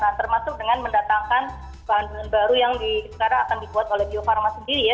nah termasuk dengan mendatangkan bahan bahan baru yang sekarang akan dibuat oleh bio farma sendiri ya